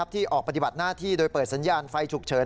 ที่ออกปฏิบัติหน้าที่โดยเปิดสัญญาณไฟฉุกเฉิน